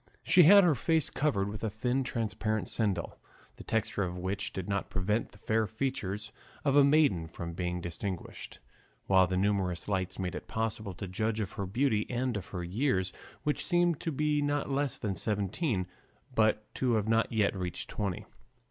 She had her face covered with thin transparent sendal, the texture of which did not prevent the fair features of a maiden from being distinguished, while the numerous lights made it possible to judge of her beauty and of her years, which seemed to be not less than seventeen but not to have yet reached twenty.